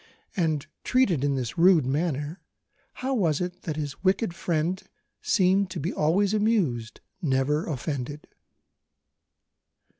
And, treated in this rude manner, how was it that his wicked friend seemed to be always amused, never offended?